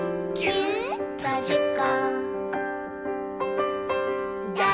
「ぎゅっとじゅっこ」